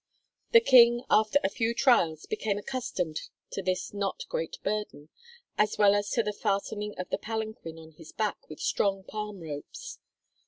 The King, after a few trials, became accustomed to this not great burden, as well as to the fastening of the palanquin on his back with strong palm ropes.